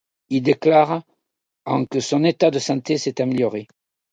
Il déclare en que son état de santé s’est amélioré.